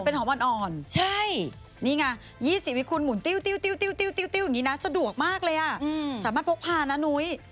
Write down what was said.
หอมอ่อนใช่นี่ไง๒๐วิคุณหมุนติ้วอย่างนี้นะสะดวกมากเลยอ่ะสามารถพกพานะนุ้ย